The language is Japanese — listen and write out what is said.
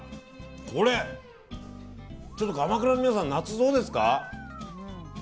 これ、ちょっと鎌倉の皆さん夏、どうですか？